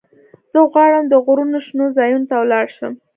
زه غواړم د غرونو شنو ځايونو ته ولاړ شم.